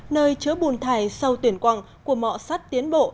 nơi chứa bùn thải sau tuyển quặng của mọ sắt tiến bộ